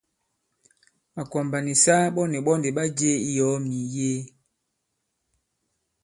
Màkwàmbà nì saa ɓɔ nì ɓɔ ndì ɓa jie i yɔ̀ɔ mì mìyee.